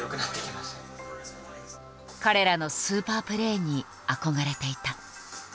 彼らのスーパープレーに憧れていた。